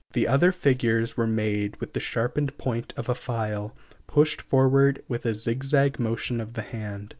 The other figures were made with the sharpened point of a file, pushed forward with a zigzag motion of the hand.